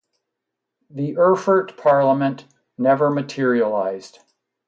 The Erfurt parliament never materialised.